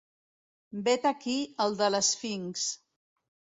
Vet aquí el de l'Esfinx.